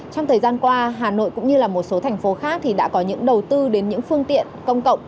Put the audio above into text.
trong thời gian qua hà nội cũng như là một số thành phố khác thì đã có những đầu tư đến những phương tiện công cộng